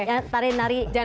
tarik nari santai aja ya